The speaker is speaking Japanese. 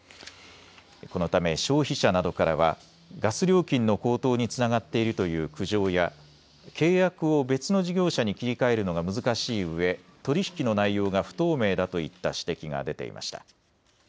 このため消費者などからはガス料金の高騰につながっているという苦情や契約を別の事業者に切り替えるのが難しいうえ取り引きの内容が不透明だといった指摘が出ていました。